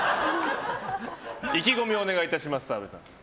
意気込みをお願いします澤部さん。